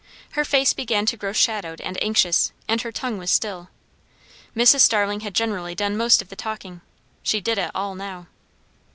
Her face began to grow shadowed and anxious, and her tongue was still. Mrs. Starling had generally done most of the talking; she did it all now.